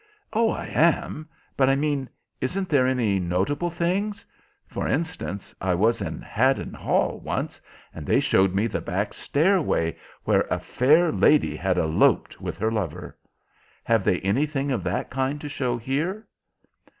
"Oh, I am. But I mean, isn't there any notable things? For instance, I was in Haddon Hall once, and they showed me the back stairway where a fair lady had eloped with her lover. Have they anything of that kind to show here?"